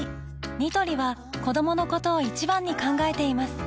ニトリは子どものことを一番に考えています